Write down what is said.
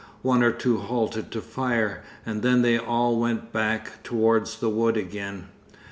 One or two halted to fire, and then they all went back towards the wood again.